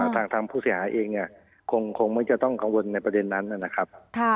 ทางผู้เสียหายเองเนี่ยคงไม่จะต้องกังวลในประเด็นนั้นนะครับ